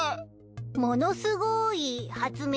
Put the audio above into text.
ものすごーい発明品？